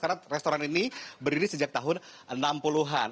karena restoran ini berdiri sejak tahun enam puluh an